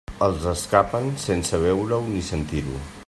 Els escapen sense veure-ho ni sentir-ho.